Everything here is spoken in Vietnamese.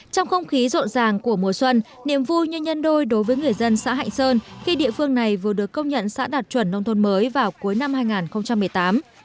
trong không khí rộn ràng của mùa xuân niềm vui như nhân đôi đối với người dân xã hạnh sơn khi địa phương này vừa được công nhận xã đạt chuẩn nông thôn mới vào cuối năm hai nghìn một mươi tám